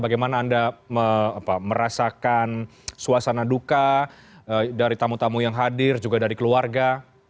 bagaimana anda merasakan suasana duka dari tamu tamu yang hadir juga dari keluarga